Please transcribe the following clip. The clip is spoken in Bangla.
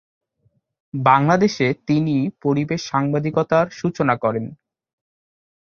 বাংলাদেশে তিনিই পরিবেশ সাংবাদিকতার সূচনা করেন।